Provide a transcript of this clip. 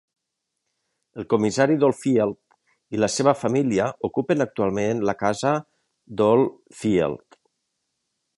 El comissari d'Old Field i la seva família ocupen actualment la casa Old Field.